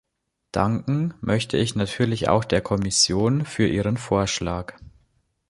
Danken möchte ich natürlich auch der Kommission für ihren Vorschlag.